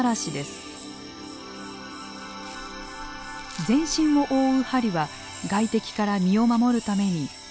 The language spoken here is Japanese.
全身を覆う針は外敵から身を守るために毛が変化したもの。